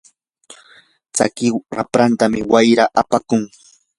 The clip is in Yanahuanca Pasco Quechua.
tsaki rapratam wayra apakun.